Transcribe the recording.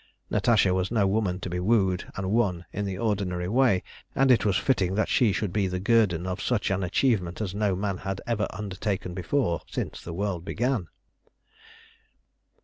Natasha was no woman to be wooed and won in the ordinary way, and it was fitting that she should be the guerdon of such an achievement as no man had ever undertaken before, since the world began.